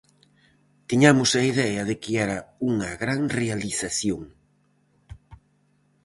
Tiñamos a idea de que era unha gran realización.